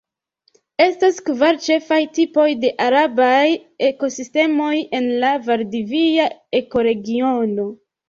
Estas kvar ĉefaj tipoj de arbaraj ekosistemoj en la valdivia ekoregiono.